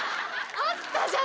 あったじゃない！